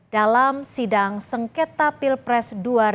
dalam sidang sengketa pilpres dua ribu dua puluh empat